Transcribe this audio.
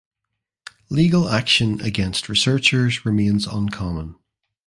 Legal action against researchers remains uncommon.